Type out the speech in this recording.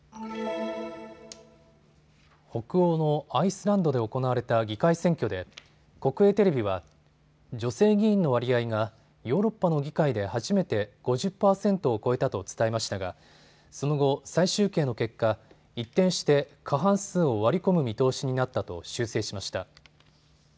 北欧のアイスランドで行われた議会選挙で国営テレビは女性議員の割合がヨーロッパの議会で初めて５０％を超えたと伝えましたがその後、再集計の結果、一転して過半数を割り込む見通しになったと修正しました。